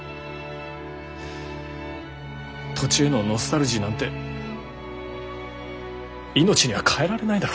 土地へのノスタルジーなんて命には代えられないだろうと。